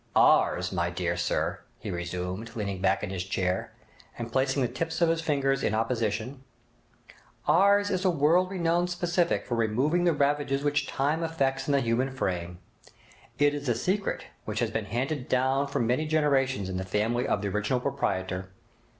'Ours, my dear sir,' he resumed, leaning back in his chair, and placing the tips of his fingers in apposition—'Ours is a world renowned specific for removing the ravages which time effects in the human frame. It is a secret which has been handed down for many generations in the family of the original proprietor.